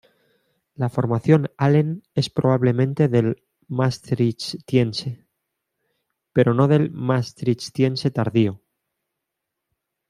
La Formación Allen es probablemente del Maastrichtiense, pero no del Maastrichtiense tardío.